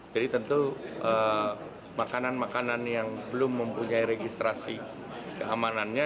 jadi tentu makanan makanan yang belum mempunyai registrasi keamanannya